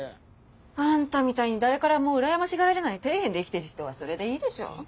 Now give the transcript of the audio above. あんたみたいに誰からも羨ましがられない底辺で生きてる人はそれでいいでしょう。